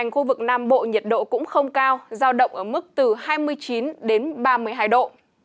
khu vực nam bộ nhiệt độ cũng không cao giao động ở mức từ hai mươi chín đến ba mươi hai độ